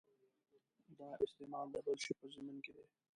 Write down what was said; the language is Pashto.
دا استعمال د بل شي په ضمن کې دی.